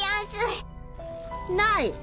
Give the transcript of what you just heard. ない？